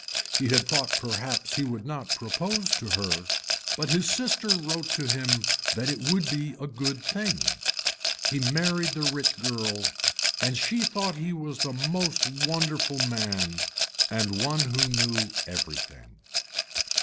He had thought perhaps he would not propose to her but his sister wrote to him that it would be a good thing. He married the rich girl and she thought he was the most wonderful man and one who knew everything.